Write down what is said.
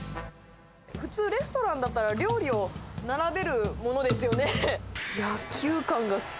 普通、レストランだったら、料理を並べるものですよね。